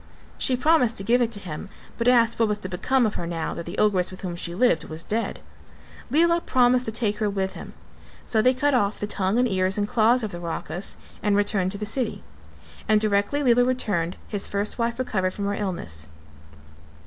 She promised to give it to him but asked what was to become of her now that the ogress with whom she lived was dead. Lela promised to take her with him, so they cut off the tongue and ears and claws of the Rakhas and returned to the city. And directly Lela returned, his first wife recovered from her illness.